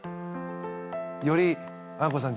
よりあいこさん